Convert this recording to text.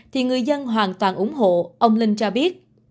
thì người dân hoàn toàn ủng hộ ông linh cho biết